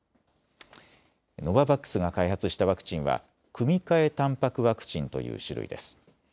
ノババックスが開発したワクチンは組換えたんぱくワクチンという種類です。